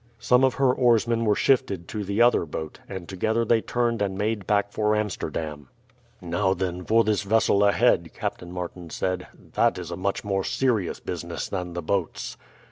Some of her oarsmen were shifted to the other boat, and together they turned and made back for Amsterdam. "Now then for this vessel ahead," Captain Martin said; "that is a much more serious business than the boats."